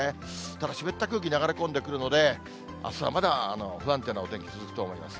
ただ湿った空気流れ込んでくるので、あすはまだ不安定なお天気、続くと思います。